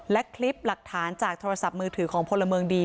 และคลิปหลักฐานจากโทรศัพท์มือถือของพลเมืองดี